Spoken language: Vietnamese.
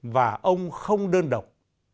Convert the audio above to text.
và ông không đơn độc